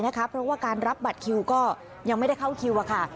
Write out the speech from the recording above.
เพราะว่าการรับบัตรคิวก็ยังไม่ได้เข้าคิวค่ะ